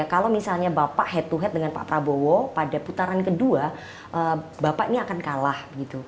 kalau misalnya bapak head to head dengan pak prabowo pada putaran kedua bapak ini akan kalah